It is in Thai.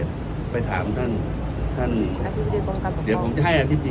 การประชุมเมื่อวานมีข้อกำชับหรือข้อกำชับอะไรเป็นพิเศษ